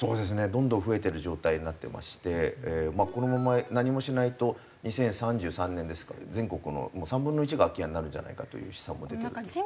どんどん増えている状態になってましてこのまま何もしないと２０３３年ですか全国の３分の１が空き家になるんじゃないかという試算も出てるという。